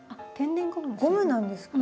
ゴムなんですか。